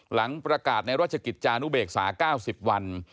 หลังประกาศในราชกิจจานุเบกษา๙๐วัน